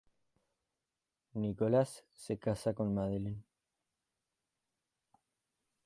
Nicholas se casa con Madeline.